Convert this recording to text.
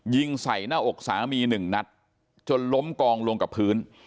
ยิงใส่หน้าอกสามีหนึ่งนัดจนล้มกองลงกับพื้น